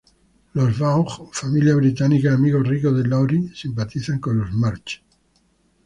Los Vaughn: Familia británica, amigos ricos de Laurie, simpatizan con las March.